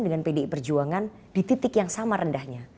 dengan pdi perjuangan di titik yang sama rendahnya